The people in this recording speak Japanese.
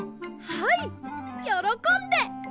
はいよろこんで！